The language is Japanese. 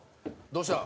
どうした？